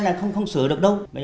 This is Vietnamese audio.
là không sửa được đâu